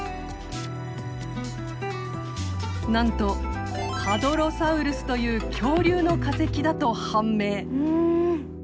なんとハドロサウルスという恐竜の化石だと判明。